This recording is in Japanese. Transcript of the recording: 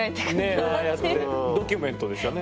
ドキュメントでしたね。